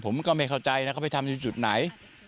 ผมก็ไม่เข้าใจนะเขาไปทำอยู่จุดไหน